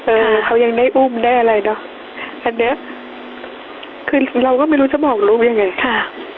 เออเขายังได้อุ้มได้อะไรเนอะอันเนี้ยคือเราก็ไม่รู้จะบอกรู้ยังไงค่ะ